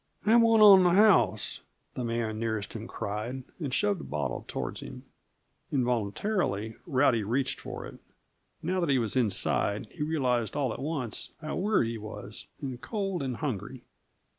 "Have one on the house," the man nearest him cried, and shoved a bottle toward him. Involuntarily Rowdy reached for it. Now that he was inside, he realized all at once how weary he was, and cold and hungry.